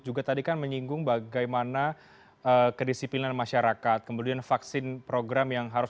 juga tadi kan menyinggung bagaimana kedisiplinan masyarakat kemudian vaksin program yang harus